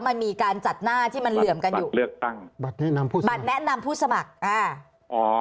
มันมีการจัดหน้าที่มันเหลื่อมกันอยู่เลือกตั้งบัตรแนะนำผู้สมัครบัตรแนะนำผู้สมัครอ่าอ๋อ